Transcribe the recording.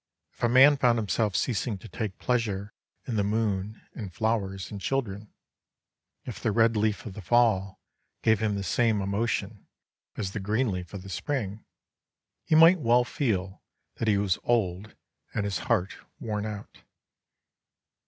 If a man found himself ceasing to take pleasure in the moon and flowers and children if the red leaf of the fall gave him the same emotion as the green leaf of the spring he might well feel that he was old and his heart worn out.